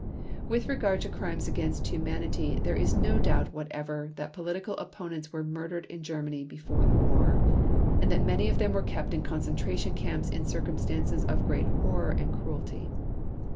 With regard to Crimes against Humanity there is no doubt whatever that political opponents were murdered in Germany before the war, and that many of them were kept in concentration camps in circumstances of great horror and cruelty.